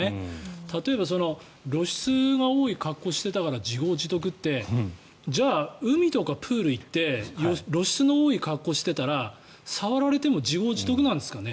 例えば露出が多い格好をしているから自業自得ってじゃあ海とかプールに行って露出の多い格好をしていたら触られても自業自得なんですかね。